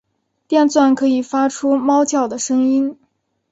电鲇可以发出猫叫的声音。